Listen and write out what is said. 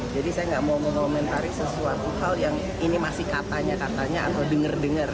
jadi saya nggak mau mengomentari sesuatu hal yang ini masih katanya katanya atau denger denger